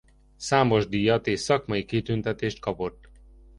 Számos díjat és szakmai kitüntetést kapott.